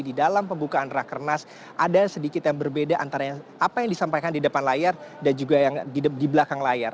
di dalam pembukaan rakernas ada sedikit yang berbeda antara apa yang disampaikan di depan layar dan juga yang di belakang layar